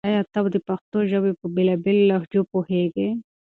آیا ته د پښتو ژبې په بېلا بېلو لهجو پوهېږې؟